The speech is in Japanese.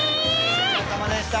お疲れさまでした！